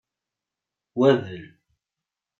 Wabel.